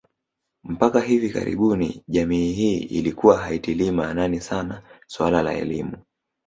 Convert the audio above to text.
Mpaka hivi karibuni jamii hii ilikuwa haitilii maanani sana suala la elimu